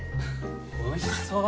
おいしそう！